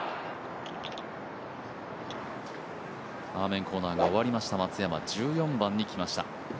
アーメンコーナーが終わりました松山、１４番に来ました。